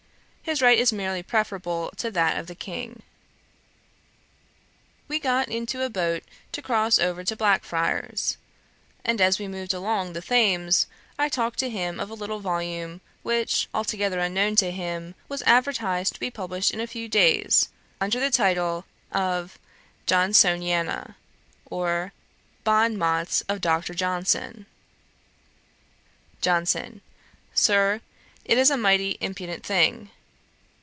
His right is merely preferable to that of the King.' We got into a boat to cross over to Black friars; and as we moved along the Thames, I talked to him of a little volume, which, altogether unknown to him, was advertised to be published in a few days, under the title of Johnsoniana, or Bon Mots of Dr. Johnson. JOHNSON, 'Sir, it is a mighty impudent thing.'